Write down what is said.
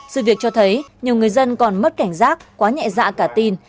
sự việc cho thấy nhiều người dân còn mất cảnh giác quá nhẹ dạ cả tin